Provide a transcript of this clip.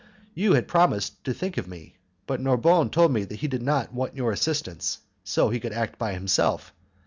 You had promised to think of me, but Narbonne told me that he did not want your assistance, as he could act by himself.